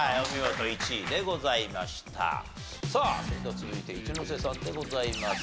さあそれでは続いて一ノ瀬さんでございます。